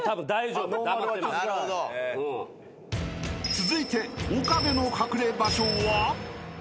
［続いて岡部の隠れ場所は？］